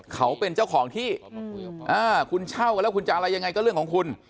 เขาเป็นเจ้าของที่คุณเช่ากันแล้วคุณจะอะไรยังไงก็เรื่องของคุณ